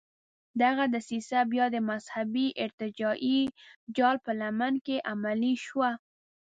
دغه دسیسه بیا د مذهبي ارتجاعي جال په لمن کې عملي شوه.